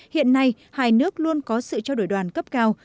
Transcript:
hiện nay hai nước luôn có sự trao đổi đoàn cấp cao